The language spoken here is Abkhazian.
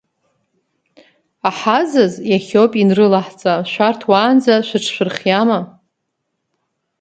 Аҳазаз иахьоуп ианрылаҳҵа, шәарҭ уаанӡа шәыҽшәырхиама?